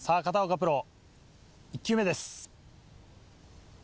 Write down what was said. プロ１球目です。